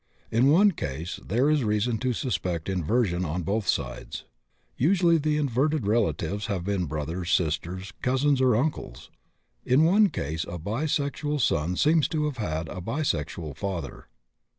In one case there is reason to suspect inversion on both sides. Usually the inverted relatives have been brothers, sisters, cousins, or uncles. In one case a bisexual son seems to have had a bisexual father.